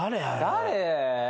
誰？